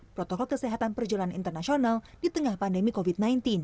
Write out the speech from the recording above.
protokol kesehatan perjalanan internasional di tengah pandemi covid sembilan belas